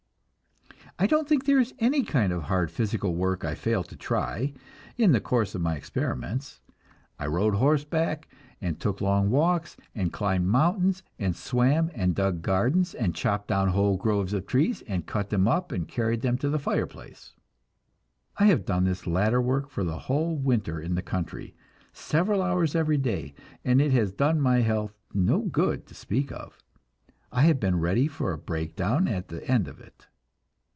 I don't think there is any kind of hard physical work I failed to try, in the course of my experiments. I rode horseback, and took long walks, and climbed mountains, and swam, and dug gardens, and chopped down whole groves of trees and cut them up and carried them to the fireplace. I have done this latter work for a whole winter in the country, several hours every day, and it has done my health no good to speak of; I have been ready for a breakdown at the end of it.